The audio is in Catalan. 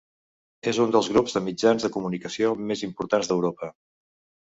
És un dels grups de mitjans de comunicació més importants d'Europa.